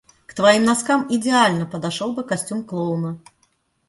К твоим носкам идеально подошёл бы костюм клоуна.